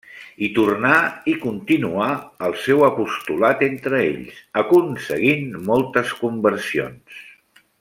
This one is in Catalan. Hi tornà i continuà el seu apostolat entre ells, aconseguint moltes conversions.